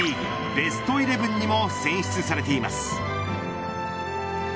ベストイレブンにも選出されています。